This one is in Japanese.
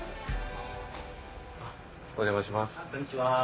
お邪魔します。